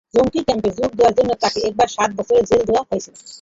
জঙ্গি ক্যাম্পে যোগ দেওয়ার জন্য তাঁকে একবার সাত বছরের জেল দেওয়া হয়েছিল।